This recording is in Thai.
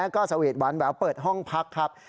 ก็สวีทหวานแววเปิดห้องพักครับ